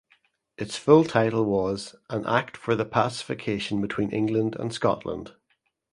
Its full title was "An Act for the Pacification between England and Scotland".